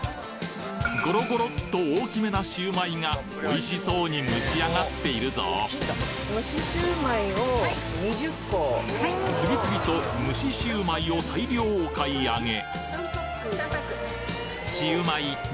ゴロゴロっと大きめなシウマイが美味しそうに蒸しあがっているぞ次々と蒸しシウマイを大量お買い上げそうなんですか。